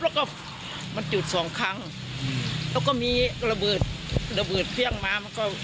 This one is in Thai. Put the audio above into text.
แล้วก็มันจุดสองครั้งแล้วก็มีระเบิดเขื่องมา